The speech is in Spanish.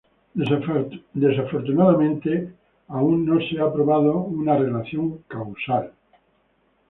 Desafortunadamente, una relación causal aún no se ha probado.